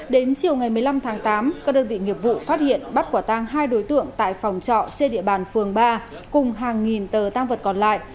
đến chiều ngày một mươi năm tháng tám các đơn vị nghiệp vụ phát hiện bắt quả tang hai đối tượng tại phòng trọ trên địa bàn phường ba cùng hàng nghìn tờ tăng vật còn lại